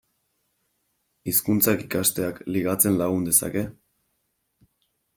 Hizkuntzak ikasteak ligatzen lagun dezake?